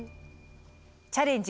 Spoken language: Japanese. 「チャレンジ！